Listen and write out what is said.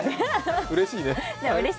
うれしいね。